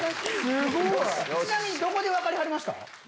どこで分かりはりました？